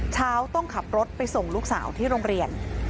เช้าต้องขับรถไปส่งลูกสาวที่โรงเรียน